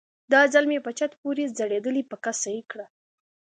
دا ځل مې په چت پورې ځړېدلې پکه سهي کړه.